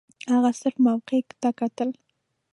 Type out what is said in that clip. هغه صرف موقع ته کتل.